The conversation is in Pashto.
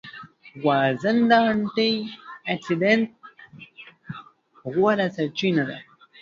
غوزان د انټي اکسیډېنټ غوره سرچینه ده.